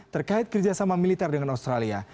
terkait kerjasama militer dengan australia